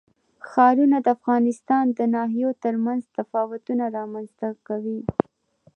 ښارونه د افغانستان د ناحیو ترمنځ تفاوتونه رامنځ ته کوي.